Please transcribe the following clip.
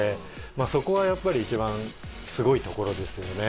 そこはやっぱり一番すごいところですよね。